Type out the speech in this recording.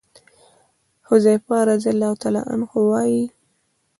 حذيفه رضي الله عنه وايي: